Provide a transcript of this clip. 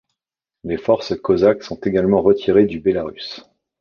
Les forces cosaques sont également retirées du Bélarus.